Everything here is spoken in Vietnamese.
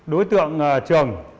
đối tượng trường